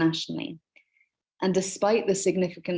dan meskipun perjalanan perjalanan yang signifikan